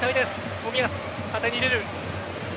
冨安、縦に入れる。